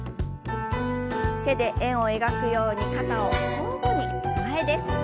手で円を描くように肩を交互に前です。